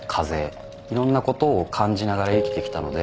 いろんなことを感じながら生きてきたので。